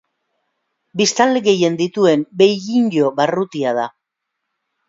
Biztanle gehien dituen Beijingo barrutia da.